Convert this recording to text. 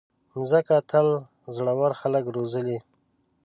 مځکه تل زړور خلک روزلي.